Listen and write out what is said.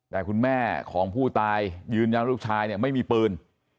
แต่คุณแม่ของผู้ตายยืนยันลูกชายเนี่ยไม่มีปืน